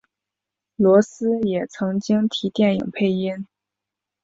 罗斯也曾经替电影配音。